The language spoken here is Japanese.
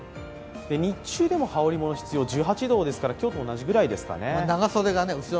日中でも羽織物が必要、１８度ですから今日と同じくらいですかね。